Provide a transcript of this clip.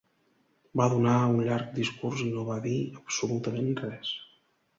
Va donar un llarg discurs i no va dir absolutament res.